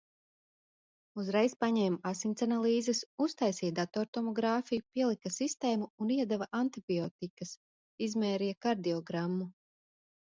Uzreiz paņēma asins analīzes, uztaisīja datortomogrāfiju, pielika sistēmu un iedeva antibiotikas. Izmērīja kardiogramu.